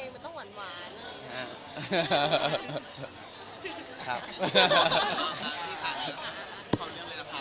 เพลงมันต้องหวาน